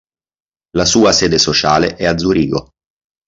La sua sede sociale è a Zurigo.